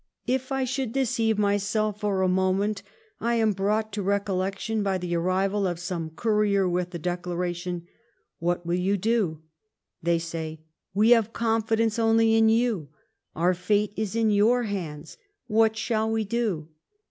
If I should deceive myself for a moment I am brought to recollection by the arrival of some courier with the declaration, ' What will j^ou do ?' They say, ' We have confidence only in you. Our fate is in your hands; what shall we do